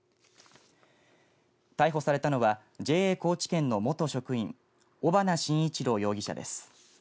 逮捕されたのはＪＡ高知県の元職員尾花真一郎容疑者です。